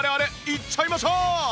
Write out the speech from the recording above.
いっちゃいましょう！